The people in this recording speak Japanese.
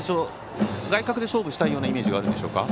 外角で勝負したいようなイメージがあるんでしょうか。